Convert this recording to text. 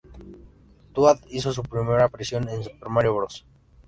Toad hizo su primera aparición en "Super Mario Bros.".